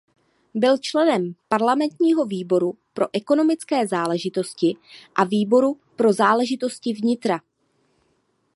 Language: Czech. Byl členem parlamentního výboru pro ekonomické záležitosti a výboru pro záležitosti vnitra.